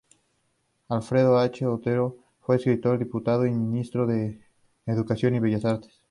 Alfredo H. Otero fue escritor, diputado y Ministro de Educación y Bellas Artes.